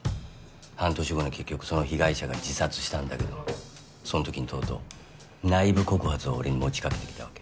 半年後に結局その被害者が自殺したんだけどそんときにとうとう内部告発を俺に持ちかけてきたわけ。